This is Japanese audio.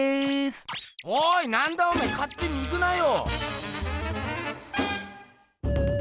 おいなんだおめえかってに行くなよ。